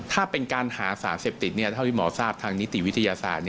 ถ้าเป็นการหาสารเสพติดเท่าที่หมอทราบทางนิติวิทยาศาสตร์